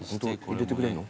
入れてくれんの？